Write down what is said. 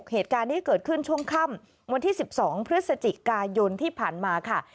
เหตุการณ์นี้เกิดขึ้นช่วงค่ำวันที่๑๒พฤศจิกายนที่ผ่านมาค่ะ